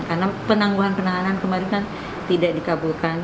karena penangguhan penahanan kemarin kan tidak dikabulkan